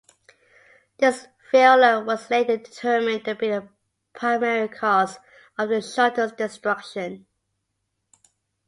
This failure was later determined to be the primary cause of the shuttle's destruction.